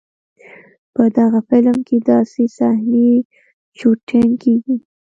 په دغه فلم کې داسې صحنې شوټېنګ کېږي.